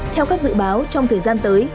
theo các dự báo trong thời gian tới